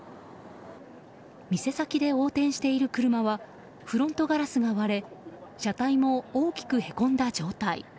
店先で横転している車はフロントガラスが割れ車体も大きくへこんだ状態。